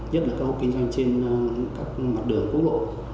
nhất là các hộp kinh doanh trên mặt đường quốc lộ